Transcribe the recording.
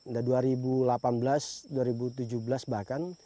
udah dua ribu delapan belas dua ribu tujuh belas bahkan